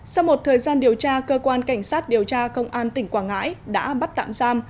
sau một thời gian điều tra cơ quan cảnh sát điều tra công an tỉnh quảng ngãi đã bắt tạm giam